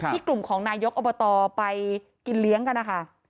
กลุ่มของนายกอบตไปกินเลี้ยงกันนะคะ